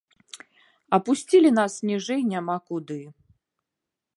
Апусцілі нас ніжэй няма куды.